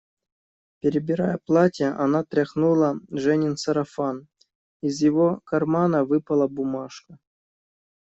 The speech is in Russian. Перебирая платья, она тряхнула Женин сарафан, из его кармана выпала бумажка.